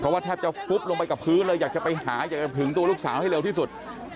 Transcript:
ว่าแทบจะฟุบลงไปกับพื้นเลยอยากจะไปหาอยากจะถึงตัวลูกสาวให้เร็วที่สุด